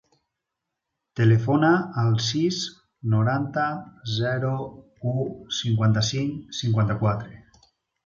Telefona al sis, noranta, zero, u, cinquanta-cinc, cinquanta-quatre.